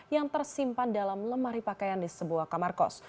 yang tersimpan dalam lemari pakaian di sebuah kamar kos